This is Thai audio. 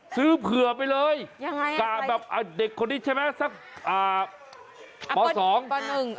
ซื้อเผื่อไปเลยกะแบบเด็กคนนี้ใช่ไหมสักอ่าป๒ป๑อ่ะ